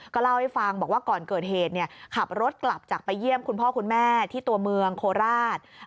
ก็เล่าให้ฟังบอกว่าก่อนเกิดเหตุขับรถกลับจากไปเยี่ยมคุณพ่อคุณแม่ที่ตัวเมืองโคราช